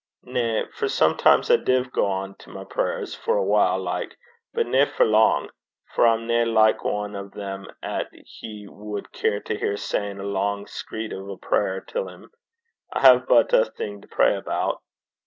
'Na. For sometimes I div gang to my prayers for a whilie like, but nae for lang, for I'm nae like ane o' them 'at he wad care to hear sayin' a lang screed o' a prayer till 'im. I hae but ae thing to pray aboot.'